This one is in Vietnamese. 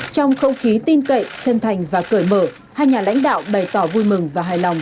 trong không khí tin cậy chân thành và cởi mở hai nhà lãnh đạo bày tỏ vui mừng và hài lòng